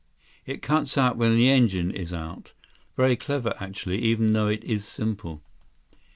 It cuts out when the engine is out. Very clever, actually, even though it is simple."